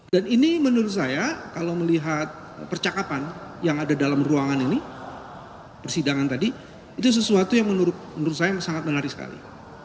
dan ini menurut saya kalau melihat percakapan yang ada dalam ruangan ini persidangan tadi itu sesuatu yang menurut saya sangat menarik sekali